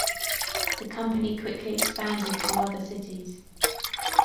The company quickly expanded to other cities.